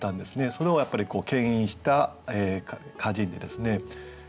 それをけん引した歌人でですね